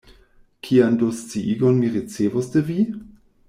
Kian do sciigon mi ricevos de vi?